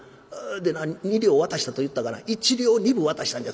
でな二両渡したと言ったがな一両二分渡したんじゃ。